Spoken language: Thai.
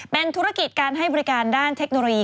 เป็นธุรกิจการให้บริการด้านเทคโนโลยี